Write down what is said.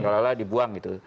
lalu dibuang gitu